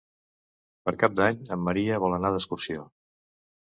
Per Cap d'Any en Maria vol anar d'excursió.